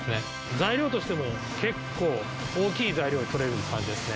材料としても結構大きい材料取れる感じですね